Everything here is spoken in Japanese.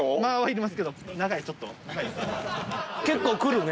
結構くるね。